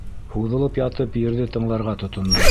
Һуҙылып ятып ерҙе тыңларға тотондо.